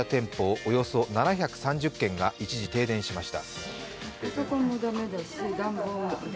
およそ７３０軒が一時停電しました。